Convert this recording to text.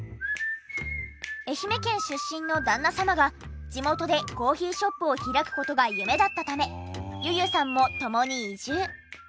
愛媛県出身の旦那様が地元でコーヒーショップを開く事が夢だったためｙｕ−ｙｕさんもともに移住。